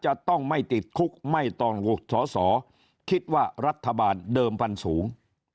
จะต้องไม่ติดคุกไม่ต้องสอสอคิดว่ารัฐบาลเดิมพันธุ์สูง